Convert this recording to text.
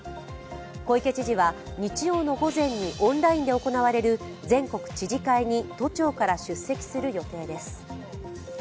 小池知事は日曜の午前にオンラインで行われる全国知事会に都庁から出席する予定です。